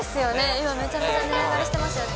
今、めちゃめちゃ値上がりしてますよね。